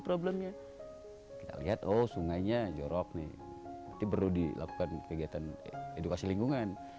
problemnya kita lihat oh sungainya jorok nih perlu dilakukan kegiatan edukasi lingkungan